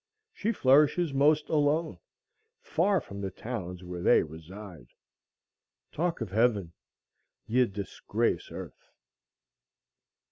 She flourishes most alone, far from the towns where they reside. Talk of heaven! ye disgrace earth.